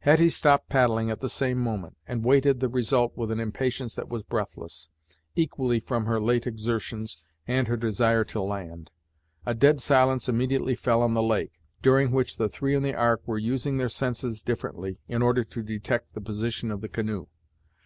Hetty stopped paddling at the same moment, and waited the result with an impatience that was breathless, equally from her late exertions, and her desire to land. A dead silence immediately fell on the lake, during which the three in the Ark were using their senses differently, in order to detect the position of the canoe.